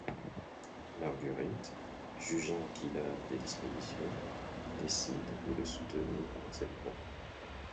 Marguerite, jugeant qu'il a des dispositions, décide de le soutenir dans cette voie.